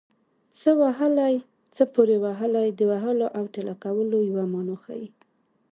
څه وهلی څه پورې وهلی د وهلو او ټېله کولو یوه مانا ښيي